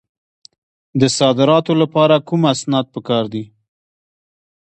د صادراتو لپاره کوم اسناد پکار دي؟